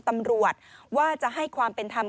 ตำรวจว่าจะให้ความเป็นธรรม